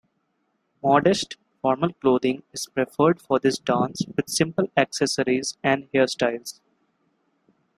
Modest, formal clothing is preferred for this dance with simple accessories and hairstyles.